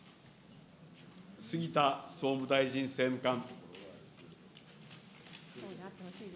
杉田総務大臣政務官。